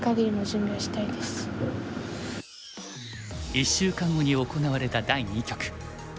１週間後に行われた第二局。